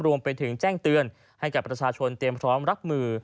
รวมไปถึงแจ้งเตือนให้กับประชาชนเตรียมพร้อมรับมือ